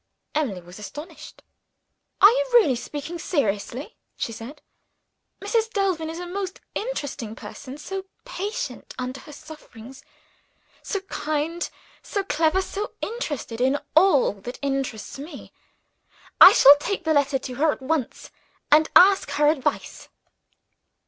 Emily was astonished. "Are you really speaking seriously?" she said. "Mrs. Delvin is a most interesting person; so patient under her sufferings; so kind, so clever; so interested in all that interests me. I shall take the letter to her at once, and ask her advice."